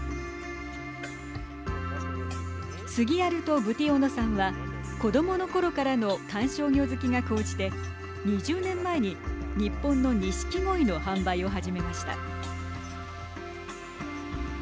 スギアルト・ブディオノさんは子どものころからの観賞魚好きが高じて２０年前に日本の錦鯉の販売を始めました。